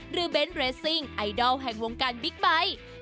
หรือเบ้นเรสซิงไอดอลแห่งวงการบิ๊กไบท์